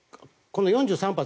この４３発